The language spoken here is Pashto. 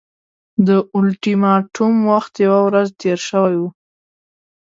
د اولټیماټوم وخت یوه ورځ تېر شوی وو.